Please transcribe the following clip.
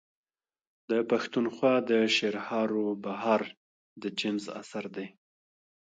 د پښتونخوا د شعرهاروبهار د جيمز اثر دﺉ.